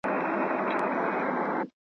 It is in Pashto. د هرات لرغونی ولایت یې .